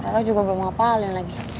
ra juga belum ngapain lagi